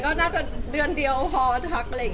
ก็น่าจะเดือนเดียวพอทักอะไรอย่างนี้